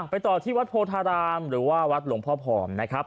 ต่อที่วัดโพธารามหรือว่าวัดหลวงพ่อผอมนะครับ